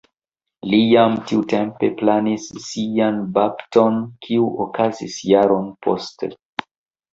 Li jam tiutempe planis sian bapton, kiu okazis jaron poste.